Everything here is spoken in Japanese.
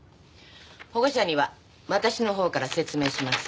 保護者には私のほうから説明します。